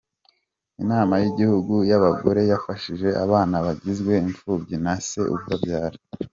Inama y’igihugu y’abagore yafashije abana bagizwe imfubyi na se ubabyara